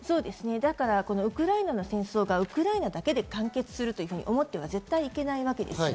だからウクライナの戦争がウクライナだけで完結すると思っては絶対いけないわけです。